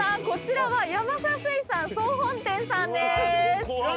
こちらはヤマサ水産総本店さんです。